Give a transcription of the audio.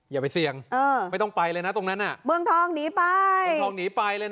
อย่าไปเสี่ยงเออไม่ต้องไปเลยนะตรงนั้นอ่ะเมืองทองหนีไปเมืองทองหนีไปเลย